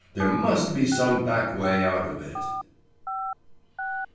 There must be some back way out of it.